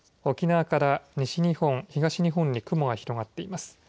沖縄から西日本、東日本に雲が広がっています。